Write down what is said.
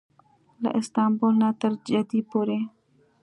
له استانبول نه تر جدې پورې.